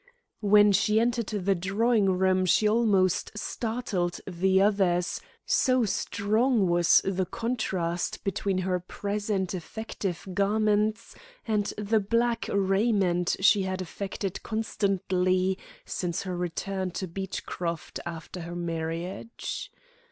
When she entered the drawing room she almost startled the others, so strong was the contrast between her present effective garments and the black raiment she had affected constantly since her return to Beechcroft after her marriage.